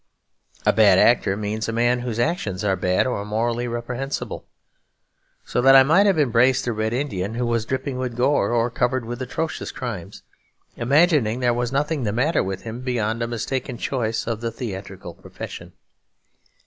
A bad actor means a man whose actions are bad or morally reprehensible. So that I might have embraced a Red Indian who was dripping with gore, or covered with atrocious crimes, imagining there was nothing the matter with him beyond a mistaken choice of the theatrical profession.